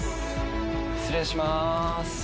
失礼します。